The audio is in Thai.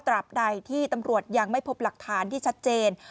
บใดที่ตำรวจยังไม่พบหลักฐานที่ชัดเจน